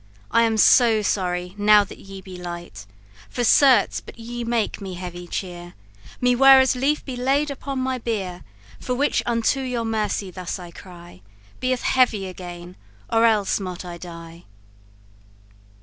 I am so sorry, now that you be light; For certain, but you make me heavy cheer, Me were as lief be laid upon my bier; For which unto your mercy thus I cry: Be heavy again, or else might I die!